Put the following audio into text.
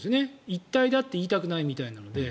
一体だって言いたくないみたいなので。